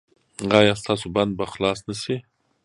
ایا ستاسو بند به خلاص نه شي؟